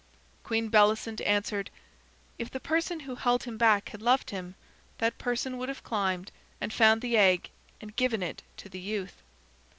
Queen Bellicent answered: "If the person who held him back had loved him, that person would have climbed, and found the egg, and given it to the youth."